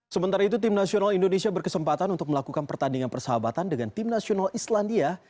sementara itu tim nasional indonesia berkesempatan untuk melakukan pertandingan persahabatan dengan tim nasional islandia